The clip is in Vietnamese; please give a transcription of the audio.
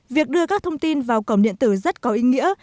việc đưa các thông tin vào cổng điện tử rất có ý nghĩa